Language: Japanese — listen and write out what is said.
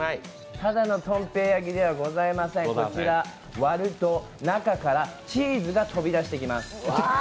ただのとん平焼きではございません、こちら割ると中からチーズが飛び出してきます。